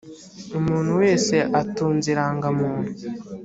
umuntu wese atunze irangamuntu.